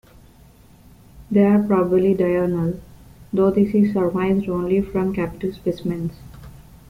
They are probably diurnal, though this is surmised only from captive specimens.